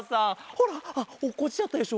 ほらあっおっこちちゃったでしょ？